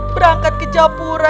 berangkat ke japura